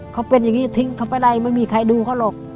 เขาเป็นอย่างนี้ทิ้งเขาไปไรไม่มีใครดูเขาหรอก